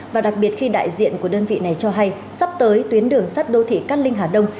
và đặc biệt khi đại diện của đơn vị này cho hay sắp tới tuyến đường sắt đô thị cát linh hà đông